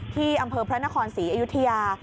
ที่อำเภอพระนครศรีอยุธยา